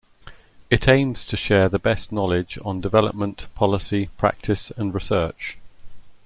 It aims to share the best knowledge on development, policy, practice and research.